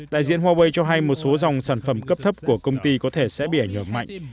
đại diện huawei cho hay một số dòng sản phẩm cấp thấp của công ty có thể sẽ bị ảnh hưởng mạnh